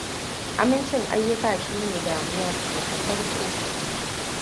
Amincin ayyuka shine damuwar mu ta farko.